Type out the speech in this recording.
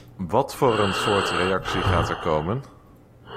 Wat voor een soort reactie gaat er komen?